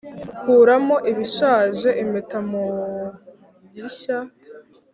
kuramo ibishaje, impeta mu gishya,